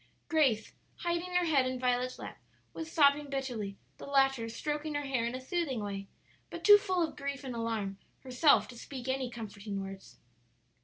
Grace, hiding her head in Violet's lap, was sobbing bitterly, the latter stroking her hair in a soothing way, but too full of grief and alarm herself to speak any comforting words.